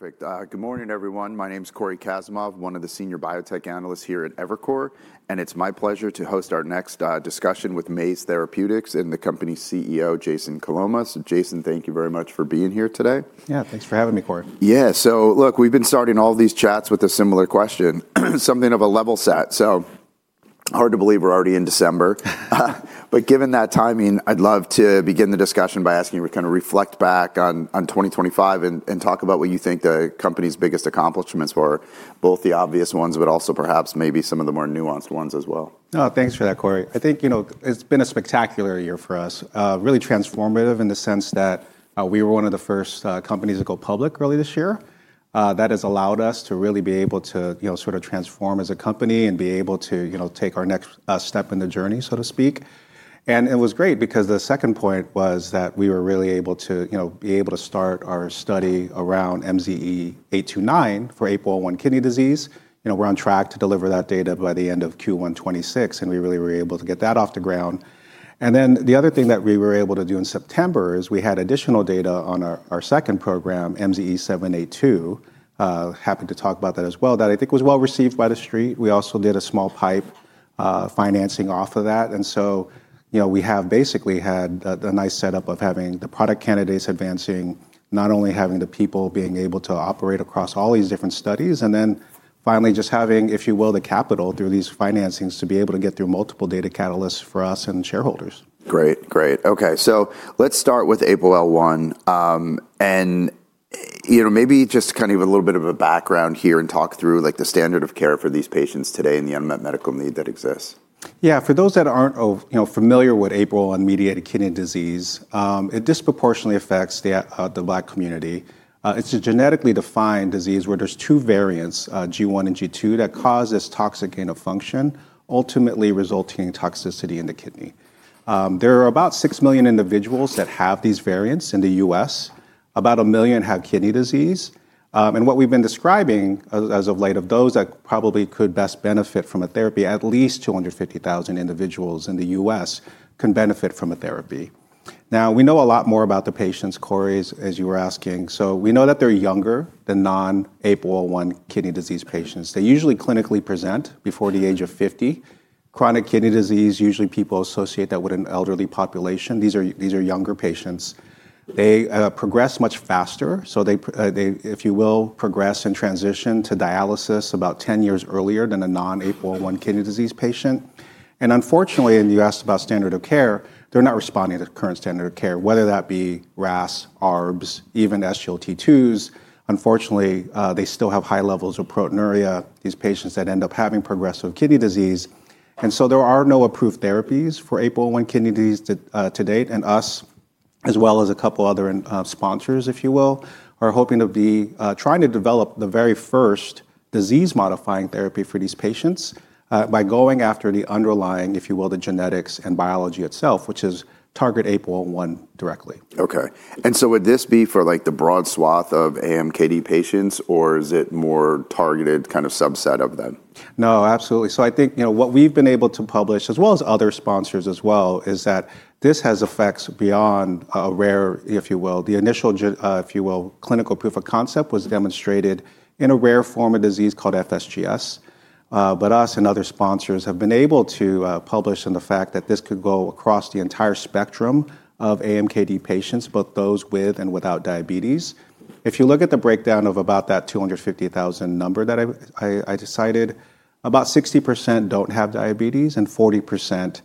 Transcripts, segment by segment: Perfect. Good morning, everyone. My name is Cory Kasimov, one of the senior biotech analysts here at Evercore, and it's my pleasure to host our next discussion with Maze Therapeutics and the company's CEO, Jason Coloma. Jason, thank you very much for being here today. Yeah, thanks for having me, Cory. Yeah, so look, we've been starting all these chats with a similar question, something of a level set. So hard to believe we're already in December. But given that timing, I'd love to begin the discussion by asking you to kind of reflect back on 2025 and talk about what you think the company's biggest accomplishments were, both the obvious ones, but also perhaps maybe some of the more nuanced ones as well. Oh, thanks for that, Cory. I think, you know, it's been a spectacular year for us, really transformative in the sense that we were one of the first companies to go public early this year. That has allowed us to really be able to, you know, sort of transform as a company and be able to, you know, take our next step in the journey, so to speak. And it was great because the second point was that we were really able to, you know, be able to start our study around MZE829 for APOL1 kidney disease. You know, we're on track to deliver that data by the end of Q1 2026, and we really were able to get that off the ground. And then the other thing that we were able to do in September is we had additional data on our second program, MZE782. Happy to talk about that as well, that I think was well received by the street. We also did a small PIPE financing off of that. And so, you know, we have basically had a nice setup of having the product candidates advancing, not only having the people being able to operate across all these different studies, and then finally just having, if you will, the capital through these financings to be able to get through multiple data catalysts for us and shareholders. Great, great. Okay, so let's start with APOL1, and you know, maybe just kind of a little bit of a background here and talk through, like, the standard of care for these patients today and the unmet medical need that exists. Yeah, for those that aren't, you know, familiar with APOL1-mediated kidney disease, it disproportionately affects the Black community. It's a genetically defined disease where there's two variants, G1 and G2, that cause this toxic gain of function, ultimately resulting in toxicity in the kidney. There are about six million individuals that have these variants in the U.S. About one million have kidney disease. And what we've been describing, as of late, of those that probably could best benefit from a therapy, at least 250,000 individuals in the U.S. can benefit from a therapy. Now, we know a lot more about the patients, Cory, as you were asking. So we know that they're younger than non-APOL1 kidney disease patients. They usually clinically present before the age of 50. Chronic kidney disease, usually people associate that with an elderly population. These are younger patients. They progress much faster. So they, if you will, progress and transition to dialysis about 10 years earlier than a non-APOL1 kidney disease patient. And unfortunately, and you asked about standard of care, they're not responding to current standard of care, whether that be RAAS, ARBs, even SGLT2s. Unfortunately, they still have high levels of proteinuria, these patients that end up having progressive kidney disease. And so there are no approved therapies for APOL1 kidney disease to date. And us, as well as a couple other sponsors, if you will, are hoping to be trying to develop the very first disease-modifying therapy for these patients by going after the underlying, if you will, the genetics and biology itself, which is target APOL1 directly. Okay. And so would this be for, like, the broad swath of AMKD patients, or is it more targeted kind of subset of them? No, absolutely. So I think, you know, what we've been able to publish, as well as other sponsors as well, is that this has effects beyond a rare, if you will, the initial, if you will, clinical proof of concept was demonstrated in a rare form of disease called FSGS. But us and other sponsors have been able to publish on the fact that this could go across the entire spectrum of AMKD patients, both those with and without diabetes. If you look at the breakdown of about that 250,000 number that I cited, about 60% don't have diabetes and 40%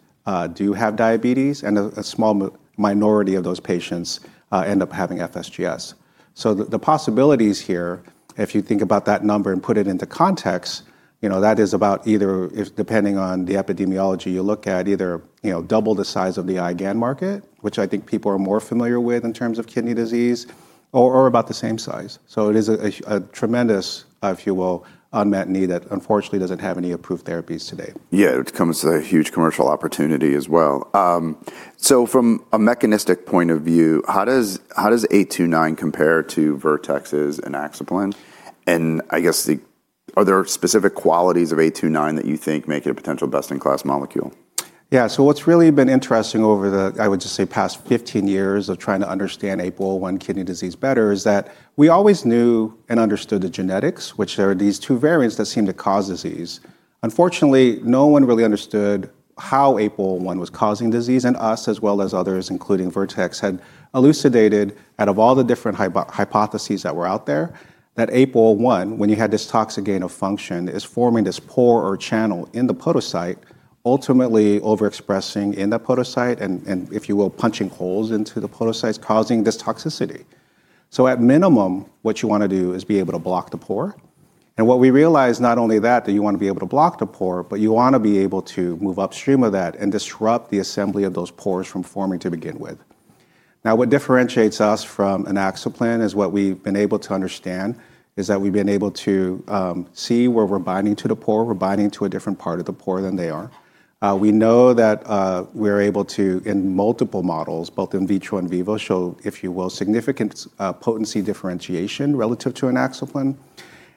do have diabetes, and a small minority of those patients end up having FSGS. So the possibilities here, if you think about that number and put it into context, you know, that is about either, depending on the epidemiology you look at, either, you know, double the size of the IgAN market, which I think people are more familiar with in terms of kidney disease, or about the same size. So it is a tremendous, if you will, unmet need that unfortunately doesn't have any approved therapies today. Yeah, it becomes a huge commercial opportunity as well. So from a mechanistic point of view, how does 829 compare to Vertex's inaxaplin? And I guess, are there specific qualities of 829 that you think make it a potential best-in-class molecule? Yeah, so what's really been interesting over the, I would just say, past 15 years of trying to understand APOL1 kidney disease better is that we always knew and understood the genetics, which are these two variants that seem to cause disease. Unfortunately, no one really understood how APOL1 was causing disease, and us, as well as others, including Vertex, had elucidated, out of all the different hypotheses that were out there, that APOL1, when you had this toxic gain of function, is forming this pore or channel in the podocyte, ultimately overexpressing in that podocyte and, if you will, punching holes into the podocytes, causing this toxicity, so at minimum, what you want to do is be able to block the pore. What we realized, not only that, that you want to be able to block the pore, but you want to be able to move upstream of that and disrupt the assembly of those pores from forming to begin with. Now, what differentiates us from inaxaplin is what we've been able to understand is that we've been able to see where we're binding to the pore. We're binding to a different part of the pore than they are. We know that we're able to, in multiple models, both in vitro and in vivo, show, if you will, significant potency differentiation relative to inaxaplin.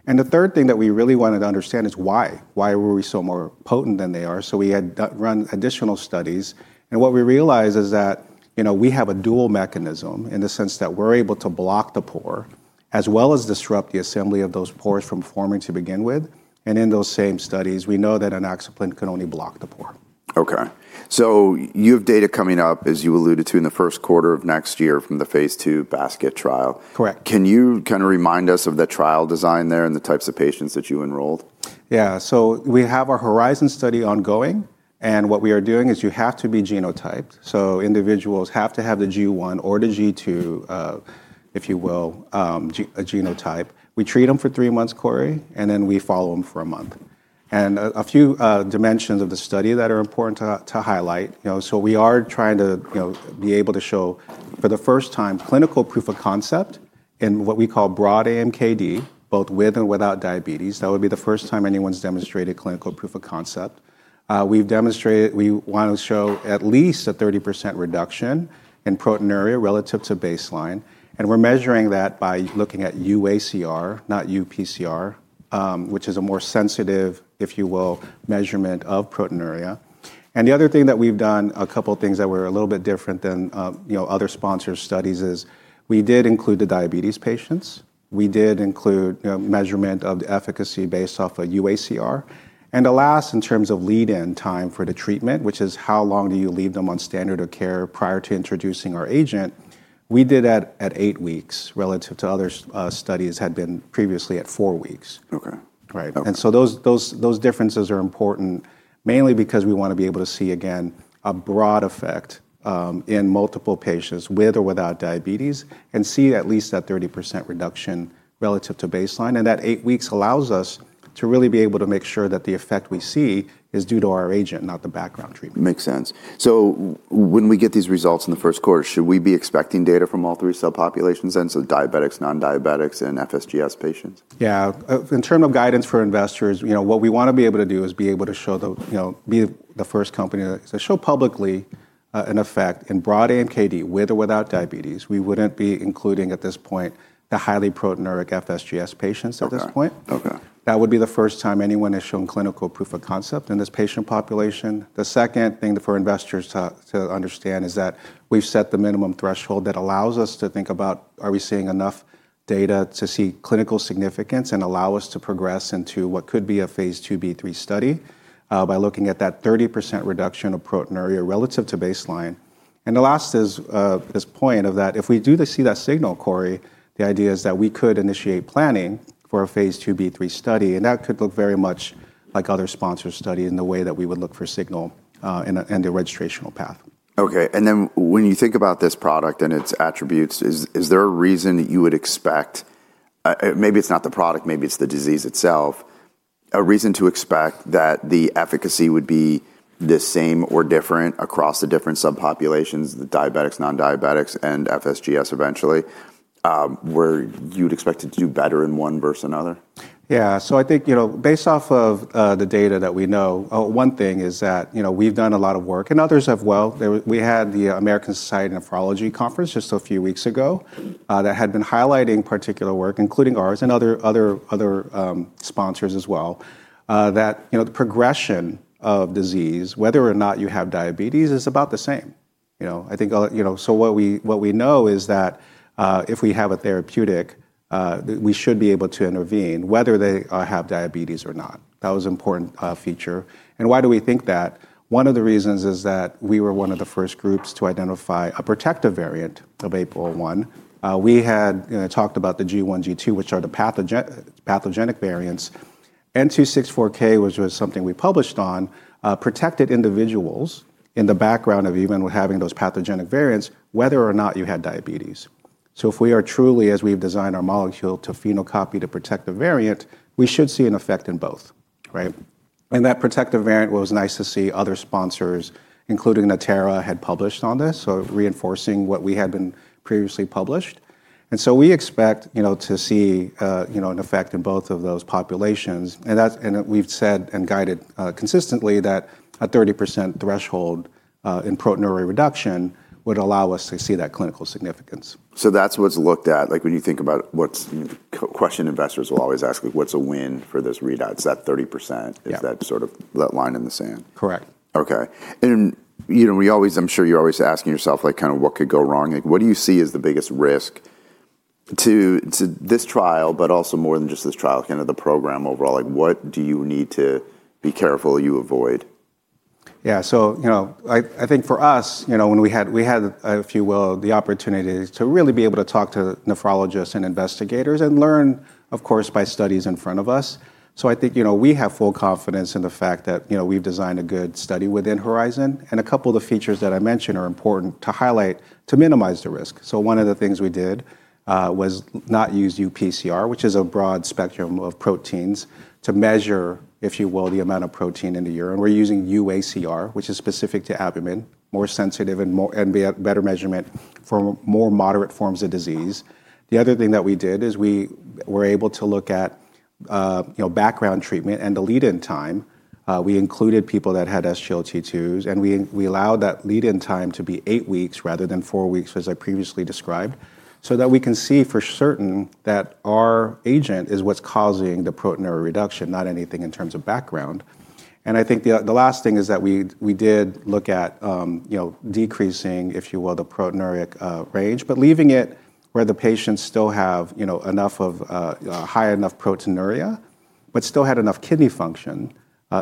And the third thing that we really wanted to understand is why. Why were we so more potent than they are? So we had run additional studies. What we realized is that, you know, we have a dual mechanism in the sense that we're able to block the pore as well as disrupt the assembly of those pores from forming to begin with. In those same studies, we know that inaxaplin can only block the pore. Okay. So you have data coming up, as you alluded to, in the first quarter of next year from the phase 2 basket trial. Correct. Can you kind of remind us of the trial design there and the types of patients that you enrolled? Yeah, so we have our Horizon study ongoing, and what we are doing is you have to be genotyped. So individuals have to have the G1 or the G2, if you will, genotype. We treat them for three months, Cory, and then we follow them for a month. A few dimensions of the study that are important to highlight, you know, so we are trying to, you know, be able to show for the first time clinical proof of concept in what we call broad AMKD, both with and without diabetes. That would be the first time anyone's demonstrated clinical proof of concept. We've demonstrated we want to show at least a 30% reduction in proteinuria relative to baseline. We're measuring that by looking at UACR, not UPCR, which is a more sensitive, if you will, measurement of proteinuria. And the other thing that we've done, a couple of things that were a little bit different than, you know, other sponsors' studies is we did include the diabetes patients. We did include measurement of the efficacy based off of UACR. And the last, in terms of lead-in time for the treatment, which is how long do you leave them on standard of care prior to introducing our agent, we did at eight weeks relative to other studies had been previously at four weeks. Okay. Right, and so those differences are important mainly because we want to be able to see, again, a broad effect in multiple patients with or without diabetes and see at least that 30% reduction relative to baseline, and that eight weeks allows us to really be able to make sure that the effect we see is due to our agent, not the background treatment. Makes sense. So when we get these results in the first quarter, should we be expecting data from all three subpopulations? And so diabetics, non-diabetics, and FSGS patients? Yeah, in terms of guidance for investors, you know, what we want to be able to do is be able to show the, you know, be the first company to show publicly an effect in broad AMKD with or without diabetes. We wouldn't be including at this point the highly proteinuric FSGS patients at this point. Okay. That would be the first time anyone has shown clinical proof of concept in this patient population. The second thing for investors to understand is that we've set the minimum threshold that allows us to think about, are we seeing enough data to see clinical significance and allow us to progress into what could be a phase two B3 study by looking at that 30% reduction of proteinuria relative to baseline. And the last is this point of that if we do see that signal, Cory, the idea is that we could initiate planning for a phase two B3 study. And that could look very much like other sponsors' studies in the way that we would look for signal and the registration path. Okay. And then when you think about this product and its attributes, is there a reason that you would expect, maybe it's not the product, maybe it's the disease itself, a reason to expect that the efficacy would be the same or different across the different subpopulations, the diabetics, non-diabetics, and FSGS eventually, where you'd expect it to do better in one versus another? Yeah, so I think, you know, based off of the data that we know, one thing is that, you know, we've done a lot of work and others have as well. We had the American Society of Nephrology Conference just a few weeks ago that had been highlighting particular work, including ours and other sponsors as well, that, you know, the progression of disease, whether or not you have diabetes, is about the same. You know, I think, you know, so what we know is that if we have a therapeutic, we should be able to intervene whether they have diabetes or not. That was an important feature. And why do we think that? One of the reasons is that we were one of the first groups to identify a protective variant of APOL1. We had talked about the G1, G2, which are the pathogenic variants, N264K, which was something we published on, protected individuals in the background of even having those pathogenic variants, whether or not you had diabetes. So if we are truly, as we've designed our molecule to phenocopy to protect the variant, we should see an effect in both, right? And that protective variant was nice to see other sponsors, including Natera, had published on this, so reinforcing what we had been previously published. And so we expect, you know, to see, you know, an effect in both of those populations. And we've said and guided consistently that a 30% threshold in proteinuria reduction would allow us to see that clinical significance. So that's what's looked at, like, when you think about what question investors will always ask, like, what's a win for this readout? Is that 30%? Is that sort of that line in the sand? Correct. Okay, and you know, we always, I'm sure you're always asking yourself, like, kind of what could go wrong? Like, what do you see as the biggest risk to this trial, but also more than just this trial, kind of the program overall? Like, what do you need to be careful you avoid? Yeah, so, you know, I think for us, you know, when we had, if you will, the opportunity to really be able to talk to nephrologists and investigators and learn, of course, by studies in front of us. So I think, you know, we have full confidence in the fact that, you know, we've designed a good study within Horizon. And a couple of the features that I mentioned are important to highlight to minimize the risk. So one of the things we did was not use UPCR, which is a broad spectrum of proteins to measure, if you will, the amount of protein in the urine. We're using UACR, which is specific to albumin, more sensitive and better measurement for more moderate forms of disease. The other thing that we did is we were able to look at, you know, background treatment and the lead-in time. We included people that had SGLT2s, and we allowed that lead-in time to be eight weeks rather than four weeks, as I previously described, so that we can see for certain that our agent is what's causing the proteinuria reduction, not anything in terms of background and I think the last thing is that we did look at, you know, decreasing, if you will, the proteinuria range, but leaving it where the patients still have, you know, enough of high enough proteinuria, but still had enough kidney function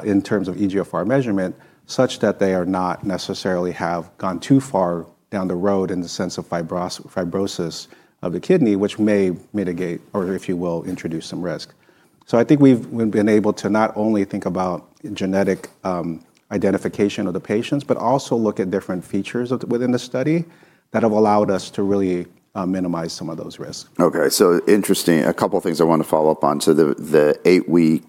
in terms of eGFR measurement such that they are not necessarily have gone too far down the road in the sense of fibrosis of the kidney, which may mitigate or, if you will, introduce some risk. So I think we've been able to not only think about genetic identification of the patients, but also look at different features within the study that have allowed us to really minimize some of those risks. Okay, so interesting. A couple of things I want to follow up on. So the eight-week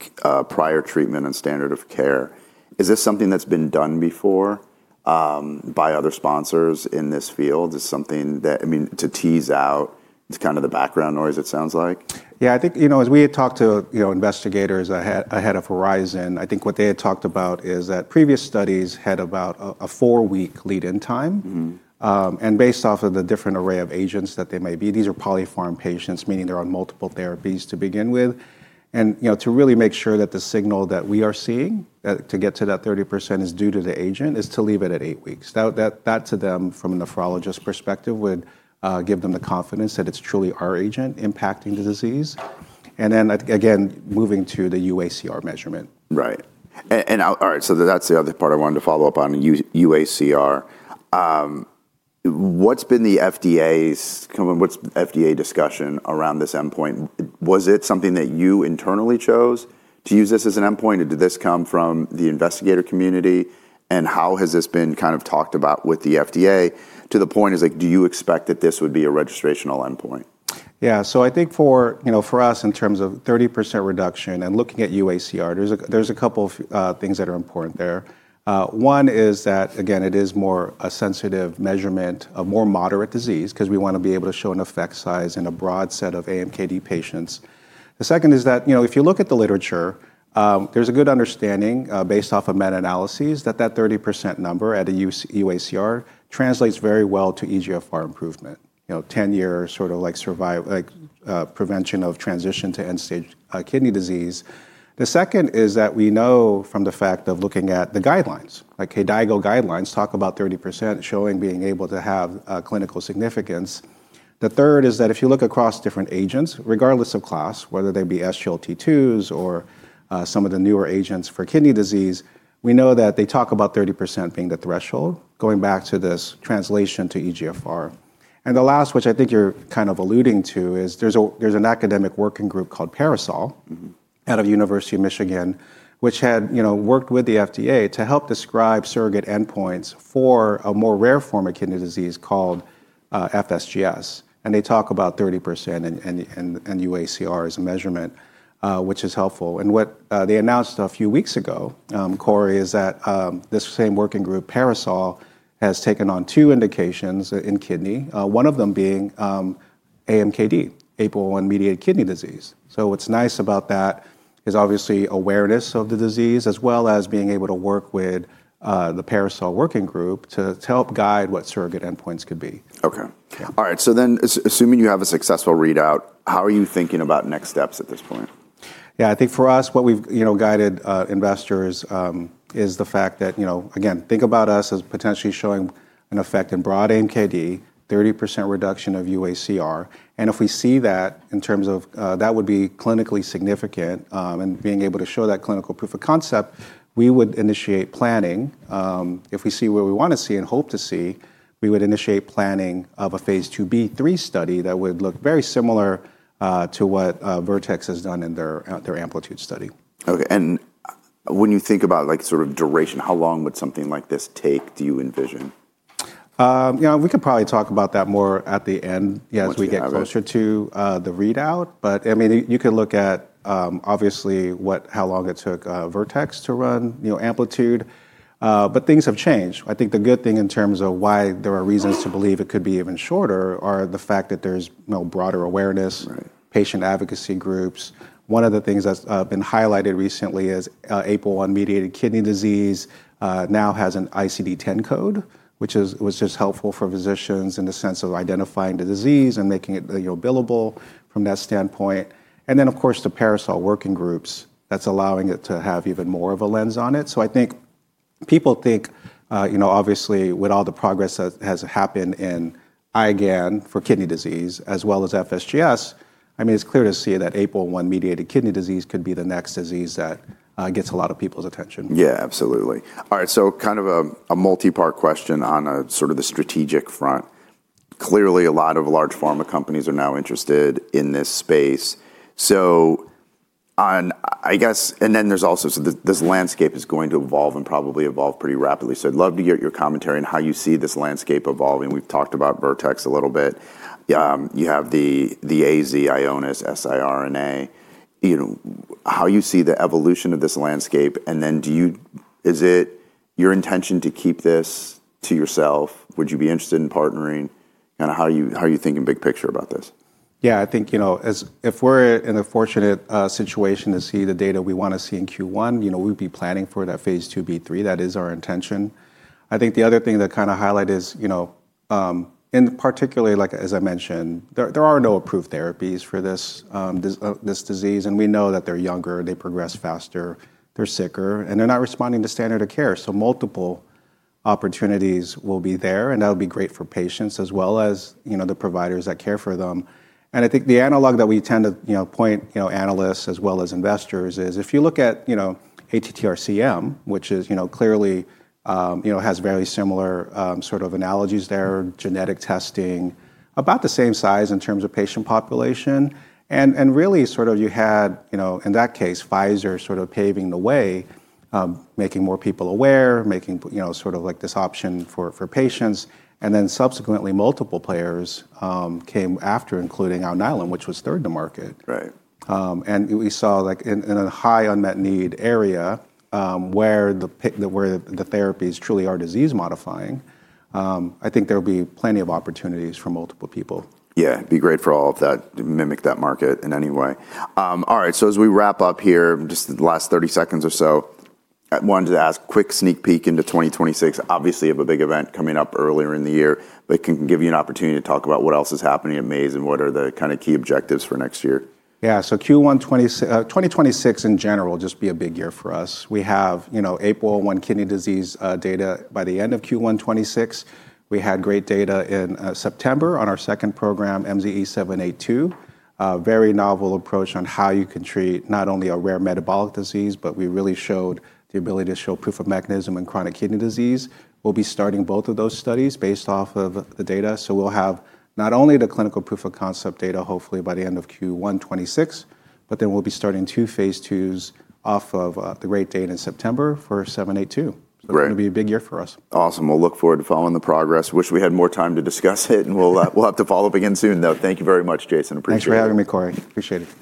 prior treatment and standard of care, is this something that's been done before by other sponsors in this field? Is something that, I mean, to tease out, it's kind of the background noise, it sounds like? Yeah, I think, you know, as we had talked to, you know, investigators ahead of Horizon, I think what they had talked about is that previous studies had about a four-week lead-in time, and based off of the different array of agents that they may be, these are polypharmacy patients, meaning they're on multiple therapies to begin with, and, you know, to really make sure that the signal that we are seeing to get to that 30% is due to the agent is to leave it at eight weeks. That to them, from a nephrologist perspective, would give them the confidence that it's truly our agent impacting the disease, and then again, moving to the UACR measurement. Right. And, all right, so that's the other part I wanted to follow up on, UACR. What's been the FDA's, what's FDA discussion around this endpoint? Was it something that you internally chose to use this as an endpoint, or did this come from the investigator community, and how has this been kind of talked about with the FDA to the point is like, do you expect that this would be a registrational endpoint? Yeah, so I think for, you know, for us, in terms of 30% reduction and looking at UACR, there's a couple of things that are important there. One is that, again, it is more a sensitive measurement of more moderate disease because we want to be able to show an effect size in a broad set of AMKD patients. The second is that, you know, if you look at the literature, there's a good understanding based off of meta-analyses that that 30% number at a UACR translates very well to eGFR improvement, you know, 10-year sort of like survival, like prevention of transition to end-stage kidney disease. The second is that we know from the fact of looking at the guidelines, like KDIGO guidelines talk about 30% showing being able to have clinical significance. The third is that if you look across different agents, regardless of class, whether they be SGLT2s or some of the newer agents for kidney disease, we know that they talk about 30% being the threshold going back to this translation to eGFR, and the last, which I think you're kind of alluding to, is there's an academic working group called Parasol out of the University of Michigan, which had, you know, worked with the FDA to help describe surrogate endpoints for a more rare form of kidney disease called FSGS, and they talk about 30% and UACR as a measurement, which is helpful, and what they announced a few weeks ago, Cory, is that this same working group, Parasol, has taken on two indications in kidney, one of them being AMKD, APOL1-mediated kidney disease. So what's nice about that is obviously awareness of the disease as well as being able to work with the Parasol working group to help guide what surrogate endpoints could be. Okay. All right, so then assuming you have a successful readout, how are you thinking about next steps at this point? Yeah, I think for us, what we've, you know, guided investors is the fact that, you know, again, think about us as potentially showing an effect in broad AMKD, 30% reduction of UACR. And if we see that in terms of that would be clinically significant and being able to show that clinical proof of concept, we would initiate planning. If we see where we want to see and hope to see, we would initiate planning of a phase 2b/3 study that would look very similar to what Vertex has done in their Amplitude study. Okay, and when you think about like sort of duration, how long would something like this take, do you envision? You know, we could probably talk about that more at the end, yes, as we get closer to the readout. But I mean, you could look at obviously how long it took Vertex to run, you know, Amplitude. But things have changed. I think the good thing in terms of why there are reasons to believe it could be even shorter are the fact that there's broader awareness, patient advocacy groups. One of the things that's been highlighted recently is APOL1-mediated kidney disease now has an ICD-10 code, which was just helpful for physicians in the sense of identifying the disease and making it, you know, billable from that standpoint. And then, of course, the Parasol working groups that's allowing it to have even more of a lens on it. So I think people think, you know, obviously with all the progress that has happened in IgAN for kidney disease as well as FSGS, I mean, it's clear to see that APOL1-mediated kidney disease could be the next disease that gets a lot of people's attention. Yeah, absolutely. All right, so kind of a multi-part question on a sort of the strategic front. Clearly, a lot of large pharma companies are now interested in this space. So on, I guess, and then there's also, so this landscape is going to evolve and probably evolve pretty rapidly. So I'd love to get your commentary on how you see this landscape evolving. We've talked about Vertex a little bit. You have the AZ, Ionis, SIRNA. You know, how do you see the evolution of this landscape? And then do you, is it your intention to keep this to yourself? Would you be interested in partnering? Kind of how are you thinking big picture about this? Yeah, I think, you know, if we're in a fortunate situation to see the data we want to see in Q1, you know, we'd be planning for that phase 2b/3. That is our intention. I think the other thing to kind of highlight is, you know, in particular, like as I mentioned, there are no approved therapies for this disease. And we know that they're younger, they progress faster, they're sicker, and they're not responding to standard of care. So multiple opportunities will be there. And that'll be great for patients as well as, you know, the providers that care for them. I think the analog that we tend to, you know, point, you know, analysts as well as investors is if you look at, you know, ATTR-CM, which is, you know, clearly, you know, has very similar sort of analogies there, genetic testing, about the same size in terms of patient population. Really sort of you had, you know, in that case, Pfizer sort of paving the way, making more people aware, making, you know, sort of like this option for patients. Then subsequently, multiple players came after, including Alnylam, which was third in the market. Right. We saw like in a high unmet need area where the therapies truly are disease modifying. I think there'll be plenty of opportunities for multiple people. Yeah, it'd be great for all of that to mimic that market in any way. All right, so as we wrap up here, just the last 30 seconds or so, I wanted to ask a quick sneak peek into 2026. Obviously, you have a big event coming up earlier in the year, but it can give you an opportunity to talk about what else is happening at Maze and what are the kind of key objectives for next year. Yeah, so Q1 2026 in general will just be a big year for us. We have, you know, APOL1 kidney disease data by the end of Q1 2026. We had great data in September on our second program, MZE782, a very novel approach on how you can treat not only a rare metabolic disease, but we really showed the ability to show proof of mechanism in chronic kidney disease. We'll be starting both of those studies based off of the data. So we'll have not only the clinical proof of concept data hopefully by the end of Q1 2026, but then we'll be starting two phase 2s off of the great data in September for 782. So it's going to be a big year for us. Awesome. We'll look forward to following the progress. Wish we had more time to discuss it, and we'll have to follow up again soon. Though, thank you very much, Jason. Appreciate it. Thanks for having me, Cory. Appreciate it.